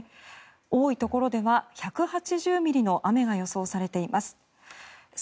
多いところでは１８０ミリの雨が予想されています。